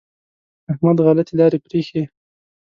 احمد غلطې لارې پرېښې.